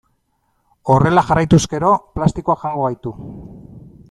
Horrela jarraituz gero plastikoak jango gaitu.